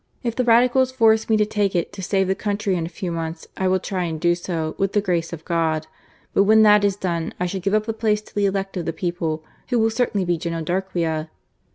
If the Radicals force me to take it to save the country in a few months, I will try and do so, with the grace of God. But when that is done, I shall give up the place to the elect of the people, who will certainly be General Darquea."